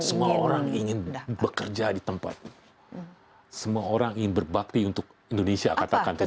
semua orang ingin bekerja di tempat semua orang ingin berbakti untuk indonesia katakan tadi